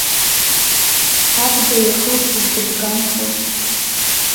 Абга иахылҵыз дыбгамхои!